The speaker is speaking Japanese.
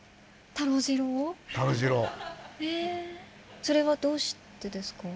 それはどうしてですか？